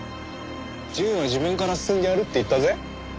淳は自分から進んでやるって言ったぜ。